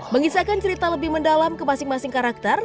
mengisahkan cerita lebih mendalam ke masing masing karakter